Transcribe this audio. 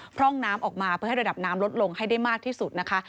พร่องน้ำออกมาเพื่อให้ระดับน้ำลดลงให้ได้มากที่สุดนะคะ